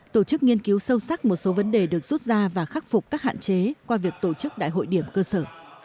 tổ chức nghiên cứu sâu sắc một số vấn đề được rút ra và khắc phục các hạn chế qua việc tổ chức đại hội điểm cơ sở